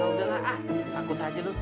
nah udah lah ah takut aja lo